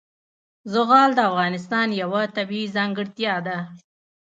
زغال د افغانستان یوه طبیعي ځانګړتیا ده.